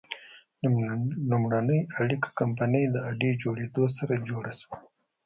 لومړنۍ اړیکه کمپنۍ د اډې جوړېدو سره جوړه شوه.